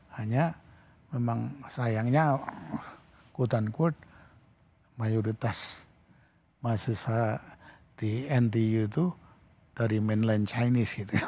hanya memang sayangnya quote unquote mayoritas mahasiswa di ntu itu dari mainland chinese